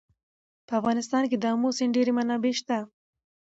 په افغانستان کې د آمو سیند ډېرې منابع شته.